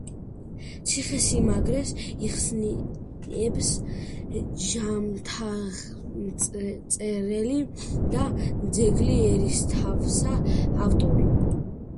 ციხესიმაგრეს იხსენიებს ჟამთააღმწერელი და „ძეგლი ერისთავთას“ ავტორი.